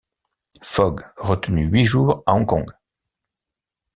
Fogg retenu huit jours à Hong-Kong!